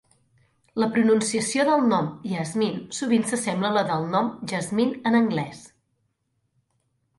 La pronunciació del nom Yasmin sovint s'assembla a la del nom Jasmine en anglès.